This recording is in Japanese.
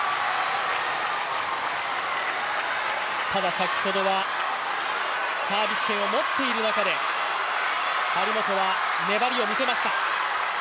先ほどはサービス権を持っている中で張本が粘りを見せました。